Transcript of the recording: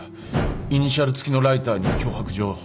イニシャル付きのライターに脅迫状。